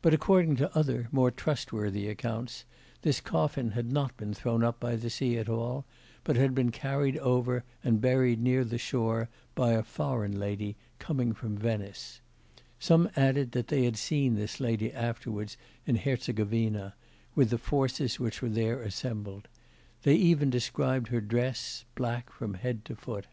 But according to other more trustworthy accounts this coffin had not been thrown up by the sea at all, but had been carried over and buried near the shore by a foreign lady, coming from Venice; some added that they had seen this lady afterwards in Herzegovina, with the forces which were there assembled; they even described her dress, black from head to foot.